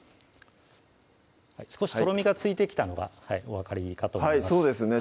少しとろみがついてきたのがお分かりかと思いますそうですね